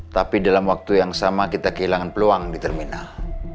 tapi dalam waktu yang sama kita kehilangan peluang di terminal